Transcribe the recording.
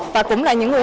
và cũng là những người